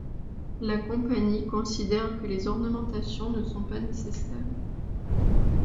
La compagnie considère que les ornementations ne sont pas nécessaires.